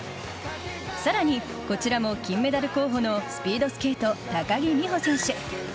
さらに、こちらも金メダル候補のスピードスケート、高木美帆選手。